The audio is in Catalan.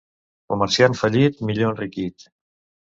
Comerciant fallit, millor enriquit.